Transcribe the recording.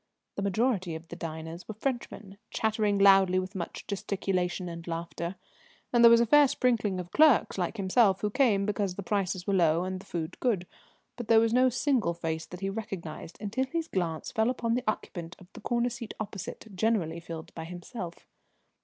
The majority of the diners were Frenchmen, chattering loudly with much gesticulation and laughter; and there was a fair sprinkling of clerks like himself who came because the prices were low and the food good, but there was no single face that he recognised until his glance fell upon the occupant of the corner seat opposite, generally filled by himself.